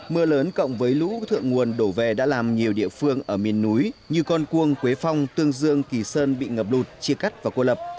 mưa lớn cộng với lũ thượng nguồn đổ về đã làm nhiều địa phương ở miền núi như con cuông quế phong tương dương kỳ sơn bị ngập lụt chia cắt và cô lập